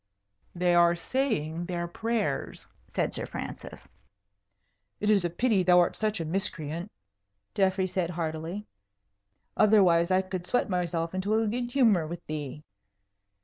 "They are saying their prayers," said Sir Francis. "It is a pity thou art such a miscreant," Geoffrey said, heartily; "otherwise I could sweat myself into a good humour with thee."